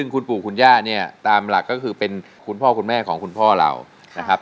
คุณปู่คุณย่าเนี่ยตามหลักก็คือเป็นคุณพ่อคุณแม่ของคุณพ่อเรานะครับ